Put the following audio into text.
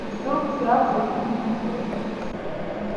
ზურგზე აქვს ოთხი მექანიკური საცეცი.